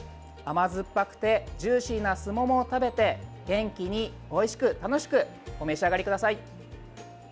甘酸っぱくてジューシーなすももを食べて元気においしく楽しくお召し上がりください！